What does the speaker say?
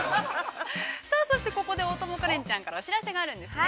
◆そして、ここで大友花恋ちゃんからお知らせがあるんですね。